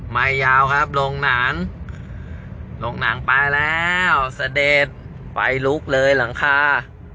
ไม้ยาวครับลงหนังลงหนังไปแล้วเสด็จไฟลุกเลยหลังคา